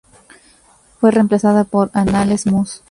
Fue reemplazada por "Anales Mus.